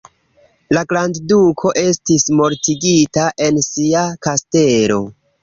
La grandduko estis mortigita en sia kastelo.